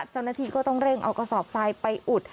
เจ้าหน้าที่ก็ต้องเร่งเอากระสอบทรายไปอุด